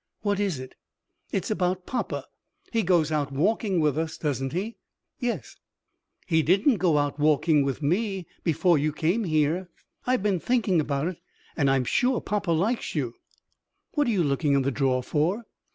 "What is it?" "It's about papa. He goes out walking with us doesn't he?" "Yes." "He didn't go out walking with me before you came here. I've been thinking about it; and I'm sure papa likes you. What are you looking in the drawer for?"